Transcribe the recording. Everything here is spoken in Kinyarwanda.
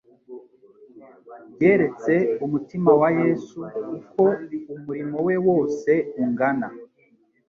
byeretse umutima wa Yesu uko umurimo we wose ungana.